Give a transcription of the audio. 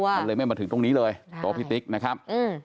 ก็เลยไม่มาถึงตรงนี้เลยโต๊ะพิติกนะครับ